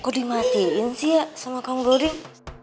kok dimatiin sih ya sama kang broding